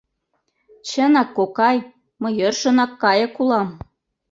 — Чынак, кокай, мый йӧршынак кайык улам!